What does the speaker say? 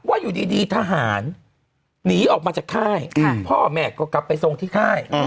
ว่าอยู่ดีทหารหนีออกมาจากค่ายพ่อแม่ก็กลับไปทรงที่ค่าย